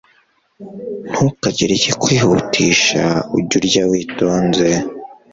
ntukagire ikikwihutisha ujye urya witonze